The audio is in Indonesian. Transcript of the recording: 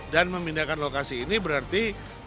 dan memindahkan lokasi ini berarti